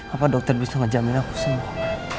apa dokter bisa menjamin aku sembuh